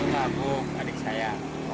nama bu adik saya